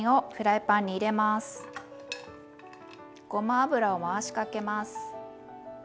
ごま油を回しかけます。